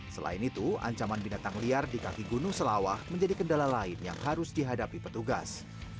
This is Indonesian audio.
selain itu ancaman binatang liar di kaki gunung selawah menjadi kendala lain yang harus dihadapi petugas